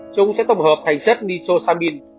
chúng sẽ tổng hợp thành chất nitrosamine